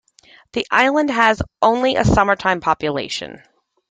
The island has only a summertime population.